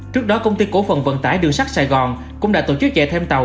trước đó công ty cổ phận vận tải đường sát sài gòn cũng đã tổ chức chạy thêm tàu